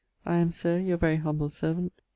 I am, Sir, your very humble servant, THO.